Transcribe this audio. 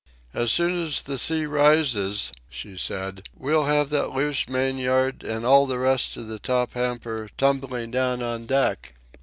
"As soon as the sea rises," she said, "we'll have that loose main yard and all the rest of the top hamper tumbling down on deck."